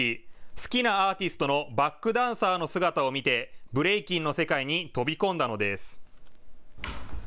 好きなアーティストのバックダンサーの姿を見てブレイキンの世界に飛び込んだのです。